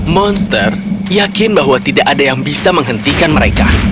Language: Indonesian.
monster yakin bahwa tidak ada yang bisa menghentikan mereka